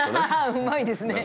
うまいですね。